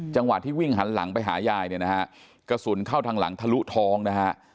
จังหวะที่วิ่งหันหลังไปหายายเนี่ยนะฮะกระสุนเข้าทางหลังทะลุท้องนะฮะ